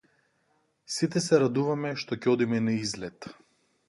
Сите се радуваме што ќе одиме на излет.